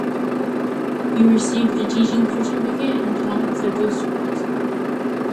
He received a teaching certificate and taught at several schools.